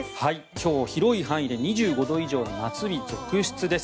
今日、広い範囲で２５度以上の夏日続出です。